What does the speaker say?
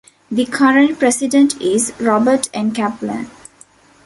The current president is Robert N. Kaplan.